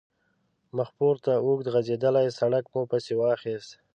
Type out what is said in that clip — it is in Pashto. مخپورته اوږد غځېدلی سړک مو پسې واخیست.